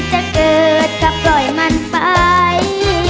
จะเกิดก็ปล่อยมันไป